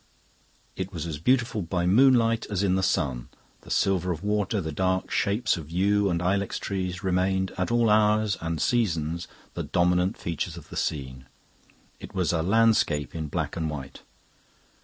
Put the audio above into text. It was as beautiful by moonlight as in the sun. The silver of water, the dark shapes of yew and ilex trees remained, at all hours and seasons, the dominant features of the scene. It was a landscape in black and white.